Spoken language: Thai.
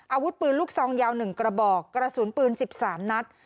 อาวุธปืนลูกซองยาว๑กระบอกกระสุนปืน๑๓นัด